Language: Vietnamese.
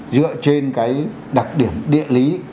dựa trên cái đặc điểm địa lý